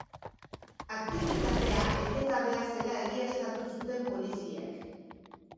Aktibitatea etengabea zela egiaztatu zuten poliziek.